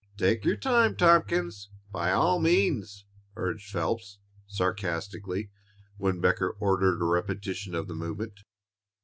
"Take your time, Tompkins, by all means," urged Phelps, sarcastically, when Becker ordered a repetition of the movement.